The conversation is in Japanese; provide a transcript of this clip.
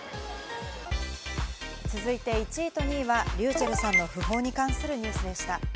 続いて１位と２位はｒｙｕｃｈｅｌｌさんの訃報に関するニュースでした。